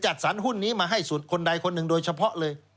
สรรหุ้นนี้มาให้สุดคนใดคนหนึ่งโดยเฉพาะเลย